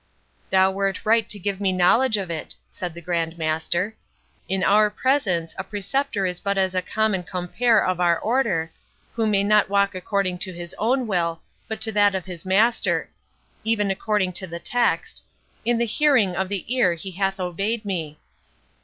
"Thou wert right to give me knowledge of it," said the Grand Master; "in our presence a Preceptor is but as a common compeer of our Order, who may not walk according to his own will, but to that of his Master—even according to the text, 'In the hearing of the ear he hath obeyed me.